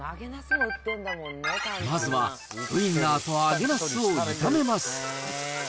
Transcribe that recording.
まずは、ウインナーと揚げナスを炒めます。